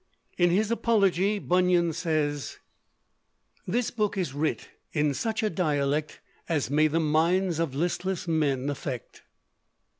In his 'Apology' Bunyan says: "This book is writ in such a dialect As may the minds of listless men affect."